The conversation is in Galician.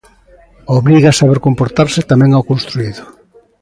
Obriga a saber comportarse tamén ao construído.